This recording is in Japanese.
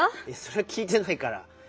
いやそれはきいてないから。